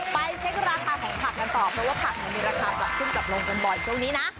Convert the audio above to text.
ไปเช็คราคาของผักกันต่อเพราะว่าผักมันมีราคาจากขึ้นจับลงกันบ่อยตรงนี้นะ